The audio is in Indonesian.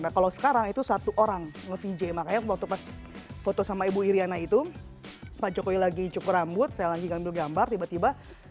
nah kalau sekarang itu satu orang nge vj makanya waktu pas foto sama ibu iryana itu pak jokowi lagi cukur rambut saya lagi ambil gambar tiba tiba